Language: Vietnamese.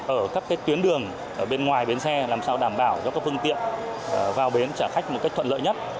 ở các tuyến đường ở bên ngoài bến xe làm sao đảm bảo cho các phương tiện vào bến trả khách một cách thuận lợi nhất